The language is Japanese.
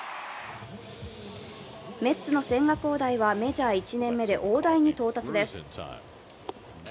メッツの千賀滉大は、メジャー１年目で大台に到達です。